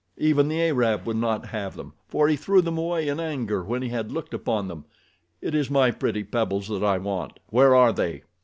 Even the Arab would not have them, for he threw them away in anger when he had looked upon them. It is my pretty pebbles that I want—where are they?"